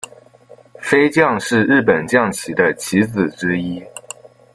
飞将是日本将棋的棋子之一。